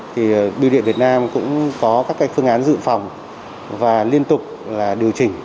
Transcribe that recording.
thì bưu điện việt nam cũng có các phương án dự phòng và liên tục điều chỉnh